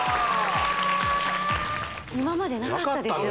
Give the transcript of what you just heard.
今までなかったですよ